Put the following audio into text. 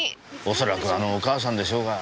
おそらくあのお母さんでしょうが。